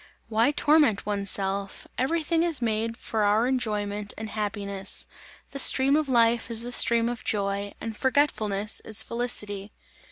"Why torment one's self? Every thing is made for our enjoyment and happiness! The stream of life is the stream of joy, and forgetfulness is felicity!"